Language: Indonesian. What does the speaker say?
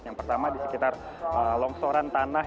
yang pertama di sekitar longsoran tanah